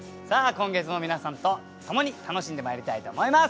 今月も皆さんと共に楽しんでまいりたいと思います。